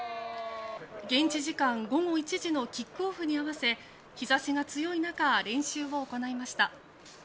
現地時間午後１時のキックオフに合わせ日差しが強い中練習を行いました。